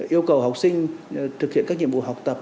yêu cầu học sinh thực hiện các nhiệm vụ học tập